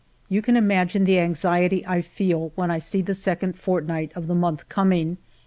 You can imagine the anxiety I feel when I see the second fortnight of the month coming.